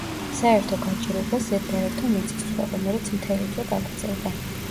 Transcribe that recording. საერთო გაჭირვებას ზედ დაერთო მიწისძვრა, რომელიც მთელი თვე გაგრძელდა.